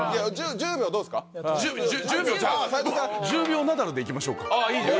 「１０秒」「ナダル」でいきましょうか。